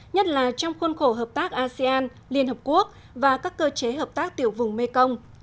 nhất là trong khuôn khổ hợp tác asean liên hợp quốc và các cơ chế hợp tác tiểu vùng mekong